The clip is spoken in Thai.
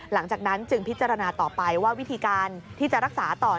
หลังจากนั้นจึงพิจารณาต่อไปว่าวิธีการที่จะรักษาต่อ